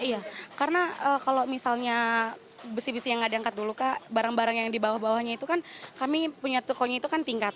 iya karena kalau misalnya besi besi yang nggak diangkat dulu kak barang barang yang di bawah bawahnya itu kan kami punya tokonya itu kan tingkat